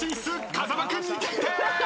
風間君に決定！